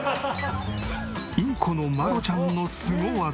インコのマロちゃんのスゴ技。